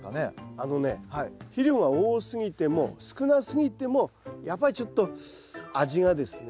あのね肥料が多すぎても少なすぎてもやっぱりちょっと味がですね